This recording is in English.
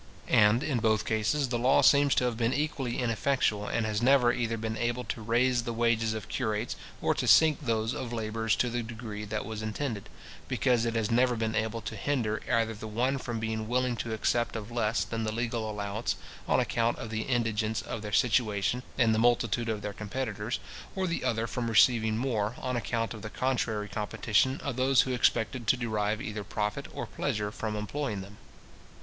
And, in both cases, the law seems to have been equally ineffectual, and has never either been able to raise the wages of curates, or to sink those of labourers to the degree that was intended; because it has never been able to hinder either the one from being willing to accept of less than the legal allowance, on account of the indigence of their situation and the multitude of their competitors, or the other from receiving more, on account of the contrary competition of those who expected to derive either profit or pleasure from employing them.